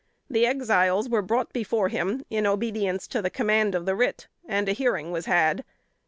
The Exiles were brought before him in obedience to the command of the writ, and a hearing was had.